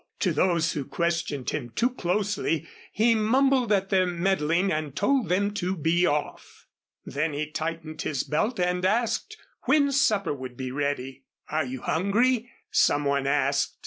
To those who questioned him too closely he mumbled at their meddling and told them to be off. Then he tightened his belt and asked when supper would be ready. "Are you hungry?" someone asked.